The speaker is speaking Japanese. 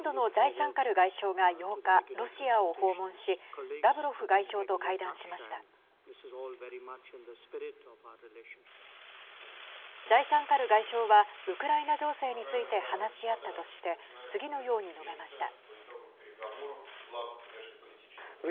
ジャイシャンカル外相はウクライナ情勢について話し合ったとして次のように述べました。